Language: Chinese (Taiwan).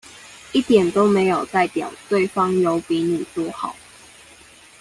一點都沒有代表對方有比你多好